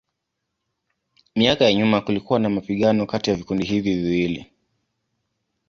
Miaka ya nyuma kulikuwa na mapigano kati ya vikundi hivi viwili.